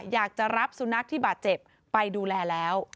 อยากจะรับสุนัขที่บาดเจ็บไปดูแลแล้ว